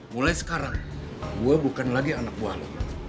mulai sekarang gue bukan lagi anak buah